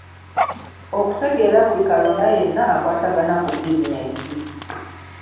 Okutegera buli kalonda yenna akwatagana ku bizinensi.